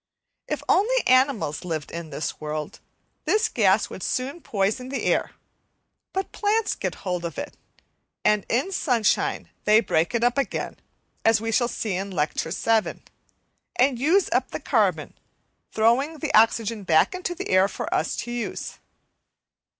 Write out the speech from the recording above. If only animals lived in the world, this gas would soon poison the air; but plants get hold of it, and in the sunshine they break it up again, as we shall see in Lecture VII, and use up the carbon, throwing the oxygen back into the air for us to use.